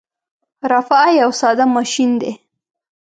رافعه یو ساده ماشین دی.